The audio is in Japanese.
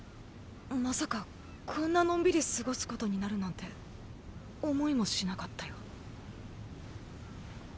まさかこんなのんびり過ごすことになるなんて思いもしなかったよ。